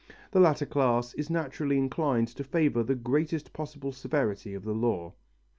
The latter class is naturally inclined to favour the greatest possible severity of the law.